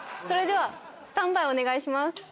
それではスタンバイお願いします。